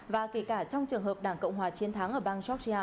và kể cả trong trường hợp đảng cộng hòa chiến thắng ở bang georgia